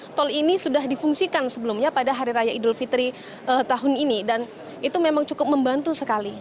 karena memang sebenarnya tol ini sudah difungsikan sebelumnya pada hari raya idul fitri tahun ini dan itu memang cukup membantu sekali